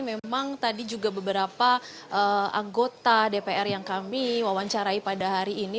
memang tadi juga beberapa anggota dpr yang kami wawancarai pada hari ini